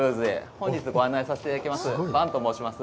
本日ご案内させていただきます伴と申します。